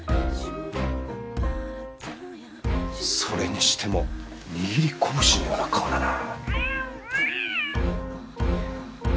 それにしても握り拳のような顔だな。